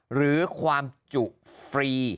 หรือความจุฟรี